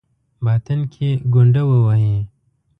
باطن کې ګونډه ووهي.